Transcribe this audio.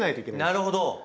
なるほど！